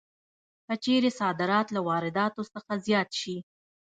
که چېرې صادرات له وارداتو څخه زیات شي